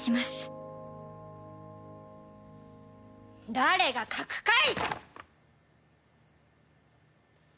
誰が描くかい！